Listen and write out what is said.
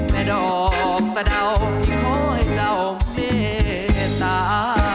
แม่ดอกสะเดาพี่ขอให้เจ้าเมตตา